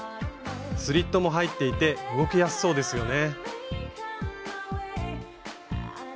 スリットも入っていて動きやすそうですよね。